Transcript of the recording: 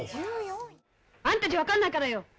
あんたじゃわかんないからよ。